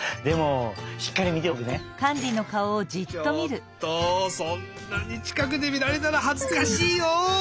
ちょっとそんなにちかくでみられたらはずかしいよ！